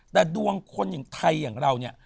แต่ดวงคนไทยอย่างเราเนี่ย